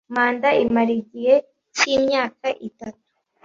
manda imara igihe cy ‘imyaka itatu.